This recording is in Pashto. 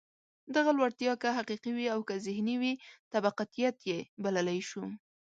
دغه لوړتیا که حقیقي وي او که ذهني وي، طبقاتيت یې بللای شو.